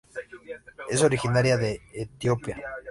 Es originaria de Etiopía.